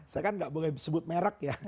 saya kan nggak boleh sebut merek ya